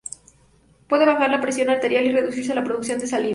Puede bajar la presión arterial y reducirse la producción de saliva.